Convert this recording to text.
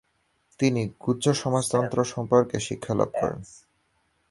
তিনি গুহ্যসমাজতন্ত্র সম্বন্ধে শিক্ষালাভ করেন।